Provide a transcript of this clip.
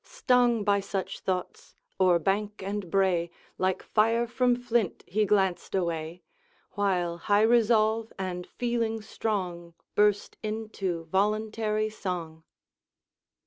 Stung by such thoughts, o'er bank and brae, Like fire from flint he glanced away, While high resolve and feeling strong Burst into voluntary song.